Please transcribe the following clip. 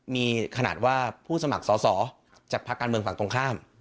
มีขนาดว่าผู้สมัครสอสอจากภาคการเมืองฝั่งตรงข้าม